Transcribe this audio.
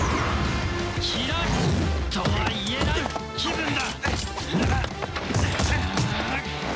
ひらり。とは言えない気分だ！